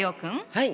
はい。